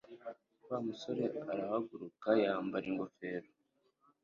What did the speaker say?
Wa musore arahaguruka yambara ingofero.